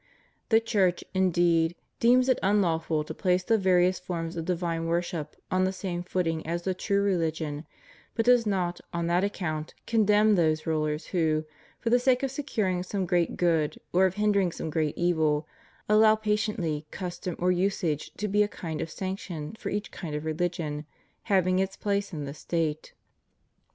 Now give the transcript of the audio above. The Church, indeed, deems it unlawful to place the various forms of divine worship on the same footing as the true religion, but does not, on that account, condemn those rulers who, for the sake of securing some great good or of hindering some great evil, allow patiently custom or usage to be a kind of sanction for each kind of religion having its place in the State.